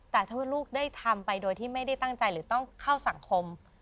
แต่ถ้าลูกได้ทำไปโดยที่ไม่ได้ตั้งใจหรือต้องเข้าสังคม